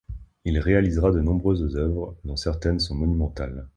Il réalisera de nombreuses œuvres dont certaines sont monumentales.